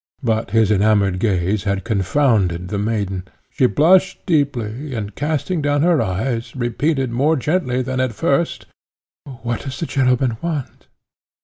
But his enamoured gaze had confounded the maiden: she blushed deeply, and, casting down her eyes, repeated more gently than at first, "What does the gentleman want?"